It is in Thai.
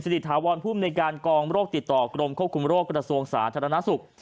สิทธิธาวรพุ่มในการกองโรคติดต่อกรมควบคุมโรคกระทะสวงสาธารณสุข